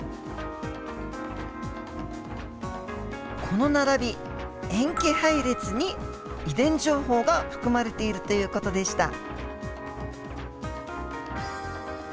この並び塩基配列に遺伝情報が含まれているという事でした。